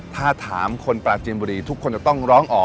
ถ้าถามคนปราจีนบุรีทุกคนจะต้องร้องออก